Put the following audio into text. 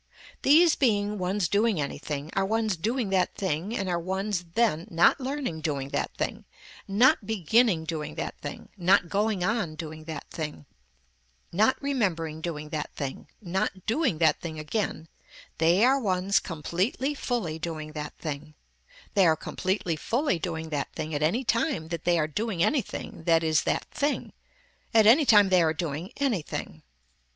These being ones doing anything are ones doing that thing and are ones then not learning doing that thing, not beginning doing that thing, not going on doing that thing, not remembering doing that thing, not doing that thing again, they are ones completely fully doing that thing, they are completely fully doing that thing at any time that they are doing anything that is that thing, at any time they are doing anything.